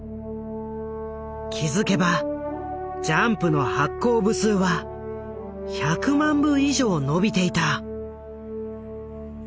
気付けばジャンプの発行部数は１００万部以上伸びていた。